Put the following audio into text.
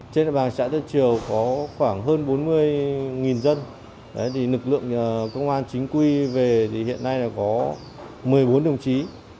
trên địa bàn xã tân triều có khoảng hơn bốn mươi dân lực lượng công an chính quy về thì hiện nay có một mươi bốn đồng chí